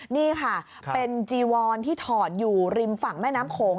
นี่ค่ะเป็นจีวอนที่ถอดอยู่ริมฝั่งแม่น้ำโขง